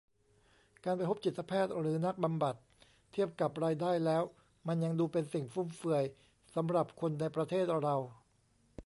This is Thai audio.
การไปพบจิตแพทย์หรือนักบำบัด เทียบกับรายได้แล้วมันยังดูเป็นสิ่งฟุ่มเฟือยสำหรับคนในประเทศเรา